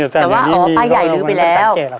แต่ว่าอ๋อป้ายใหญ่ลื้อไปแล้ว